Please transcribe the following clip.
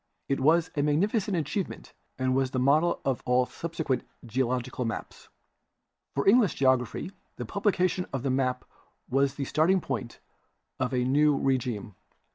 I\ was a. magnificent achievement and was the model of all subsequent geological maps. For English Geology, the publication of the map was the starting point of a new regime.